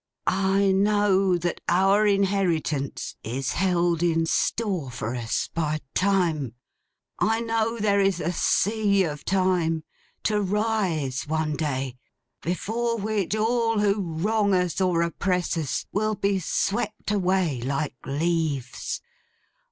'I know that our inheritance is held in store for us by Time. I know there is a sea of Time to rise one day, before which all who wrong us or oppress us will be swept away like leaves.